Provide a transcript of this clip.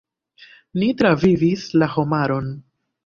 "Ni travivis la homaron."